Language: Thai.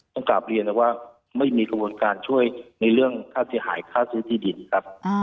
กลับเรียนนะว่าไม่มีกระบวนการช่วยในเรื่องค่าเสียหายค่าซื้อที่ดินครับ